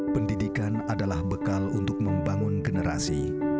pendidikan adalah bekal untuk membangun generasi